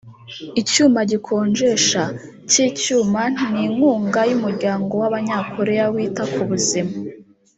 icyuma gikonjesha ; ki cyuma ni inkunga y’umuryango w’Abanyakoreya wita ku buzima